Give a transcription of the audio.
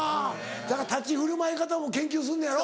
だから立ち振る舞い方も研究すんのやろ？